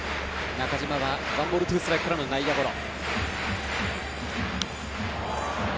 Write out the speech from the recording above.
中島はワンボールツーストライクから内野ゴロ。